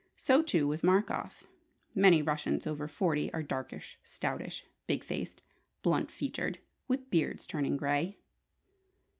So, too, was Markoff. Many Russians over forty are "darkish, stoutish, big faced, blunt featured, with beards turning grey!"